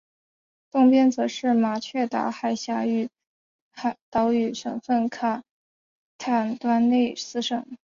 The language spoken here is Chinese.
东边则是马却达海峡与岛屿省份卡坦端内斯省。